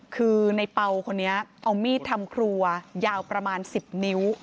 คือในเป่าคนนี้เอามีดทำครัวยาวประมาณ๑๐นิ้ว